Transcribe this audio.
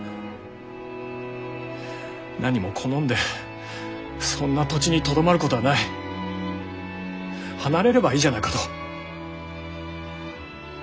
なにも好んでそんな土地にとどまることはない離れればいいじゃないかと。